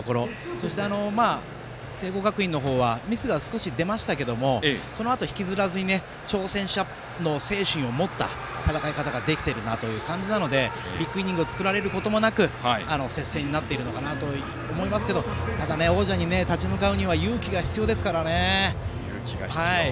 そして、聖光学院の方はミスが少し出ましたがそのあと引きずらずに挑戦者の精神を持った戦い方ができているなという感じなのでビッグイニングを作られることもなく接戦になっているのかなと思いますけどただ、王者に立ち向かうには勇気が必要ですからね。